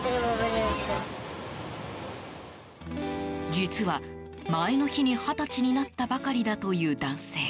実は前の日に、二十歳になったばかりだという男性。